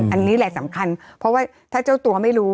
อันนี้แหละสำคัญเพราะว่าถ้าเจ้าตัวไม่รู้